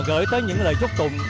gửi tới những lời chúc tụng